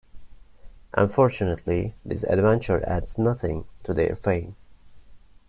Unfortunately, this adventure adds nothing to their fame.